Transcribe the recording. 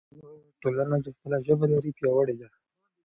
هغه ټولنه چې خپله ژبه لري پیاوړې ده.